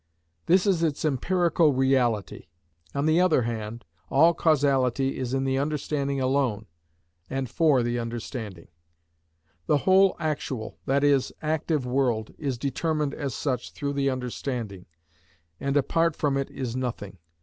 This is its empirical reality. On the other hand, all causality is in the understanding alone, and for the understanding. The whole actual, that is, active world is determined as such through the understanding, and apart from it is nothing.